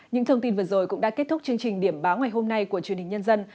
những thông tin vừa rồi cũng đã kết thúc chương trình điểm báo ngày hôm nay của truyền hình nhân dân